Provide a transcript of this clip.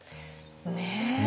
ねえ。